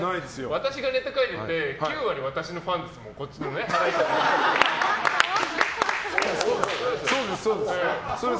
私がネタ書いてて９割、私のファンですもんこっちは。